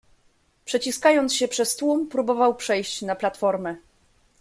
"Przeciskając się przez tłum, próbował przejść na platformę."